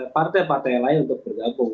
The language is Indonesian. partai partai lain untuk bergabung